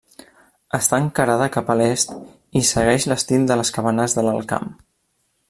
Està encarada cap a l'est i segueix l'estil de les cabanes de l'Alt Camp.